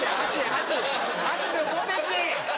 箸でポテチ！